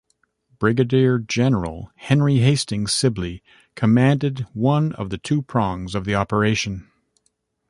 Brigadier General Henry Hastings Sibley commanded one of the two prongs of the operation.